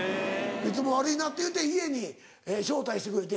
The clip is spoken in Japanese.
「いつも悪いな」っていって家に招待してくれて。